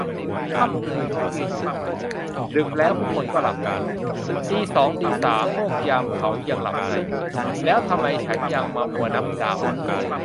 ค่ำคืนฉันยืนอยู่ทำไม ดึกแล้วผู้คนก็หลับใหล ตีสองตีสามพวกยามเขายังหลับใน แล้วทำไมฉันยังมามัวนับดาว